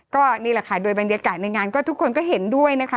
ก็นี่แหละค่ะโดยบรรยากาศในงานก็ทุกคนก็เห็นด้วยนะคะ